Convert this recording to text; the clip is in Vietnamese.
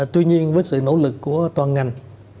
tuy nhiên với sự nỗ lực của toàn ngành